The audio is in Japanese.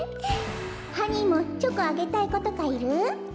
ハニーもチョコあげたいことかいる？